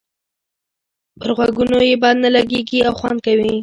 پر غوږونو یې بد نه لګيږي او خوند کوي.